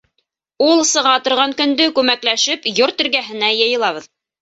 Ул сыға торған көндө күмәкләшеп йорт эргәһенә йыйылабыҙ.